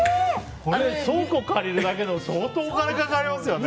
倉庫借りるだけで相当かかりますよね。